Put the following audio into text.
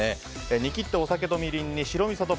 煮切ったお酒とみりんに白みそと